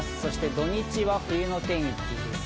土日は冬の天気です。